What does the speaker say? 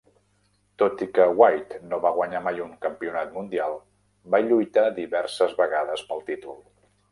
Tot i que White no va guanyar mai un campionat mundial, va lluitar diverses vegades pel títol.